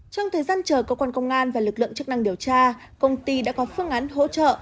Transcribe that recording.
trong thời gian chờ cơ quan công an và lực lượng chức năng điều tra công ty đã có phương án hỗ trợ